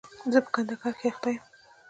زه په کندهار کښي اخته يم.